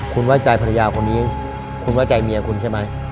คุณว่าใจภรรยาคนนี้คุณว่าใจเมียคุณใช่ไหม